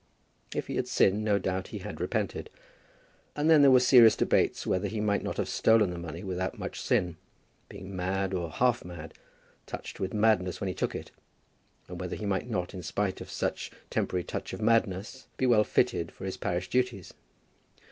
If he had sinned, no doubt he had repented. And then there were serious debates whether he might not have stolen the money without much sin, being mad or half mad, touched with madness when he took it; and whether he might not, in spite of such temporary touch of madness, be well fitted for his parish duties.